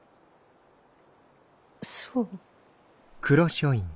そう。